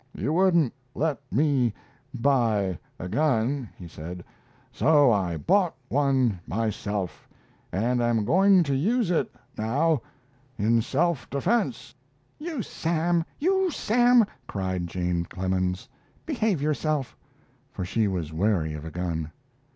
"You wouldn't let me buy a gun," he said, "so I bought one myself, and I am going to use it, now, in self defense." "You, Sam! You, Sam!" cried Jane Clemens. "Behave yourself," for she was wary of a gun.